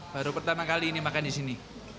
baru pertama kali ini makan di sini